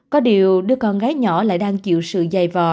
có điều đưa con gái nhỏ lại đang chịu sự dày vò